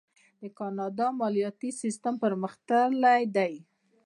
د کاناډا مالیاتي سیستم پرمختللی دی.